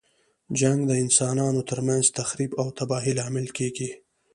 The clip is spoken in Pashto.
جنګ د انسانانو تر منځ تخریب او تباهۍ لامل کیږي.